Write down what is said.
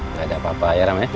nggak ada apa apa ya namanya